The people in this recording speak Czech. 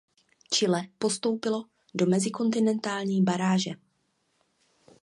Chile postoupilo do mezikontinentální baráže.